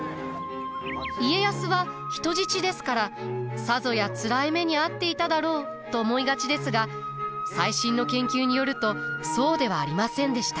家康は人質ですからさぞやつらい目に遭っていただろうと思いがちですが最新の研究によるとそうではありませんでした。